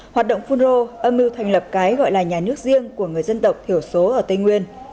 hoạt động phun rô âm mưu thành lập cái gọi là nhà nước riêng của người dân tộc thiểu số ở tây nguyên